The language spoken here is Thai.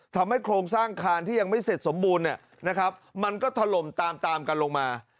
โครงสร้างคานที่ยังไม่เสร็จสมบูรณ์มันก็ถล่มตามตามกันลงมา